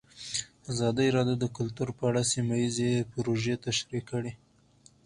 ازادي راډیو د کلتور په اړه سیمه ییزې پروژې تشریح کړې.